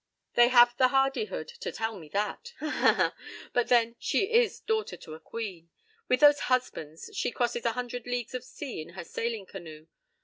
They have the hardihood to tell me that. Ha ha ha! But, then, she is daughter to a queen. With those 'husbands' she crosses a hundred leagues of sea in her sailing canoe.